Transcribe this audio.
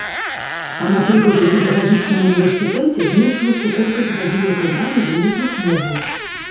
А, напрыклад, у педагагічным універсітэце зменшылася колькасць гадзін выкладання замежных моваў.